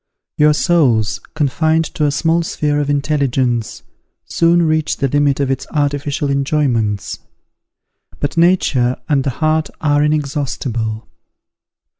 Your souls, confined to a small sphere of intelligence, soon reach the limit of its artificial enjoyments: but nature and the heart are inexhaustible.